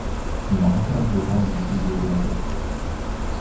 Une rafale de vent lui fit lever la tête.